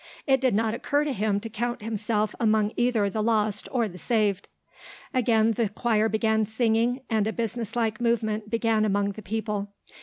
It did not occur to him to count himself among either the lost or the saved. Again the choir began singing and a businesslike movement began among the people.